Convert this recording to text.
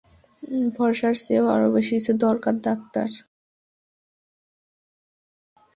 ভরসার চেয়েও আরো বেশি কিছু দরকার, ডাক্তার!